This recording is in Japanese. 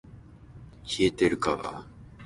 冷えてるか～